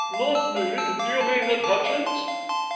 "Not Mead.... Do you mean that Hutchins